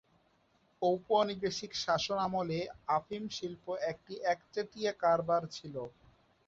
ঔপনিবেশিক শাসনামলে আফিম শিল্প একটি একচেটিয়া কারবার ছিল।